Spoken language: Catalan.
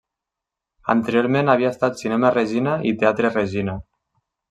Anteriorment havia estat Cinema Regina i Teatre Regina.